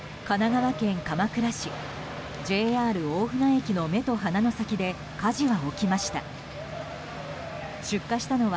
神奈川県鎌倉市ＪＲ大船駅の目と鼻の先で火事が起きました。